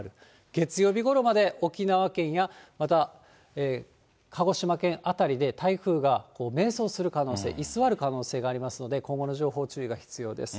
月曜日ごろまで沖縄県や、また、鹿児島県辺りで台風が迷走する可能性、居座る可能性がありますので、今後の情報、注意が必要です。